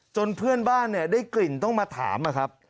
จนเพื่อนบ้านได้กลิ่นต้องมาถาม